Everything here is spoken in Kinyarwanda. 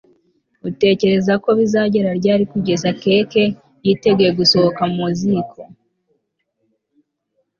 Utekereza ko bizageza ryari kugeza keke yiteguye gusohoka mu ziko